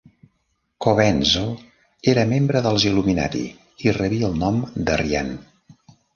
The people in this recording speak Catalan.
Cobenzl era membre dels Illuminati i rebia el nom d'Arrian.